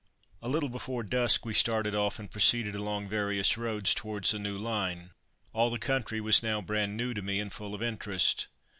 A little before dusk we started off and proceeded along various roads towards the new line. All the country was now brand new to me, and full of interest.